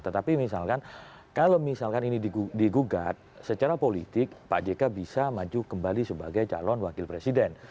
tetapi misalkan kalau misalkan ini digugat secara politik pak jk bisa maju kembali sebagai calon wakil presiden